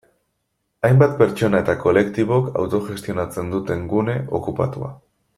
Hainbat pertsona eta kolektibok autogestionatzen duten gune okupatua.